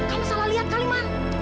kamu salah lihat kalimantan